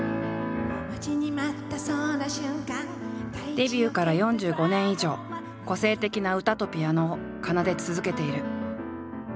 デビューから４５年以上個性的な歌とピアノを奏で続けている。